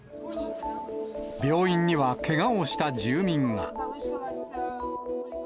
病院にはけがをした住民が。